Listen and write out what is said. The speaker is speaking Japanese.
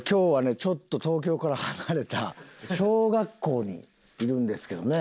ちょっと東京から離れた小学校にいるんですけどね。